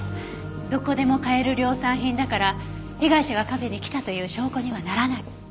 どこでも買える量産品だから被害者がカフェに来たという証拠にはならない。